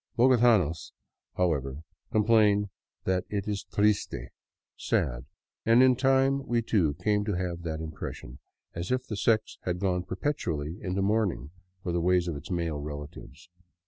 Bogotanos, however, com plain that it is triste — sad, and in time we too came to have that im pression, as if the sex had gone perpetually into mourning for the ways of its male relatives.